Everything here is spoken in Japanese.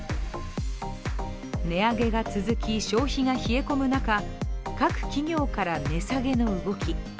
値上げが続き、消費が冷え込む中、各企業から値下げの動き。